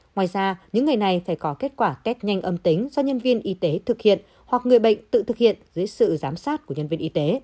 ngoài ra những ngày này phải có kết quả test nhanh âm tính do nhân viên y tế thực hiện hoặc người bệnh tự thực hiện dưới sự giám sát của nhân viên y tế